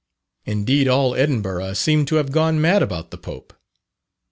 Indeed all Edinburgh seemed to have gone mad about the Pope.